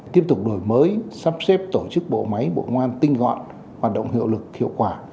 tiếp tục đổi mới sắp xếp tổ chức bộ máy bộ ngoan tinh gọn hoạt động hiệu lực hiệu quả